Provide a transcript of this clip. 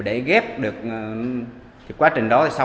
dậy bắt mì ra